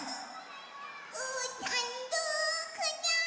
うーたんどこだ？